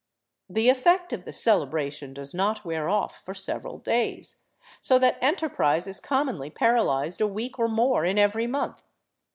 The effect of the celebration does not wear off for several days, so that enterprise is commonly paralyzed a week or more in every month.